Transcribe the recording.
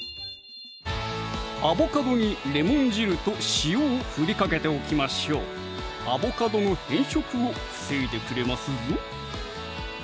アボカドにレモン汁と塩を振りかけておきましょうアボカドの変色を防いでくれますぞ